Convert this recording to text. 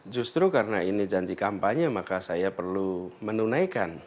justru karena ini janji kampanye maka saya perlu menunaikan